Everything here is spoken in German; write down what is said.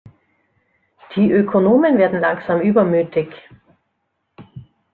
Die Ökonomen werden langsam übermütig.